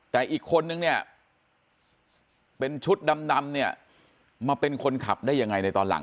แต่อีกคนนึงเนี่ยเป็นชุดดำเนี่ยมาเป็นคนขับได้ยังไงในตอนหลัง